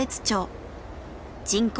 人口